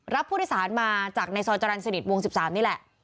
รับพุทธศาสตร์มาจากในซอยจรรย์สนิทวงศ์๑๓นี่แหละ